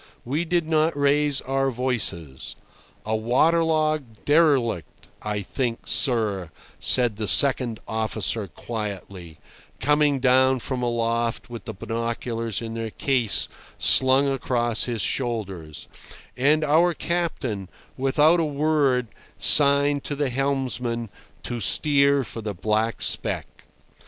We did not raise our voices. "A water logged derelict, I think, sir," said the second officer quietly, coming down from aloft with the binoculars in their case slung across his shoulders; and our captain, without a word, signed to the helmsman to steer for the black speck.